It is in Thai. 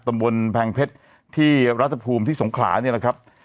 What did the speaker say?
ตำบลแพงเพชรที่รัฐภูมิที่สงขลาเนี่ยนะครับ